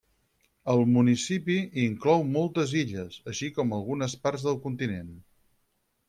El municipi inclou moltes illes, així com algunes parts del continent.